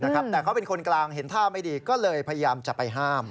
แต่เขาเป็นคนกลางเห็นท่าไม่ดีก็เลยพยายามจะไปห้าม